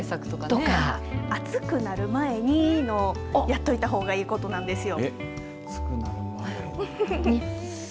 暑くなる前にやっておいたほうがいいことなんですよ。